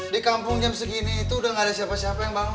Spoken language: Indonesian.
di kampung jam segini itu udah gak ada siapa siapa yang bangun